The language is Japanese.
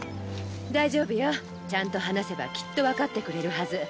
大丈夫よちゃんと話せばきっと分かってくれるはず。